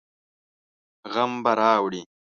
غم به راوړي.